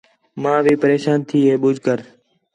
ماں بھی پریشان تھی ہے ٻُجھ کر